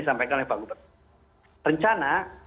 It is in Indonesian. disampaikan oleh pak gubernur rencana